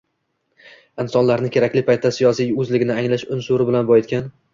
insonlarni kerakli vaqtda siyosiy o‘zligini anglash unsuri bilan boyitgan